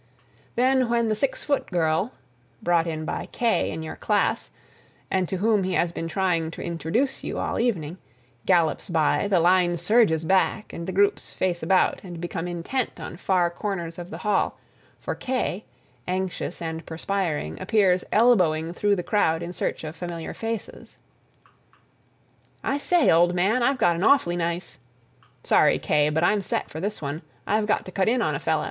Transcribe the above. Then when the six foot girl (brought by Kaye in your class, and to whom he has been trying to introduce you all evening) gallops by, the line surges back and the groups face about and become intent on far corners of the hall, for Kaye, anxious and perspiring, appears elbowing through the crowd in search of familiar faces. "I say, old man, I've got an awfully nice—" "Sorry, Kaye, but I'm set for this one. I've got to cut in on a fella."